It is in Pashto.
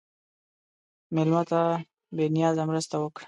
مېلمه ته بې نیازه مرسته وکړه.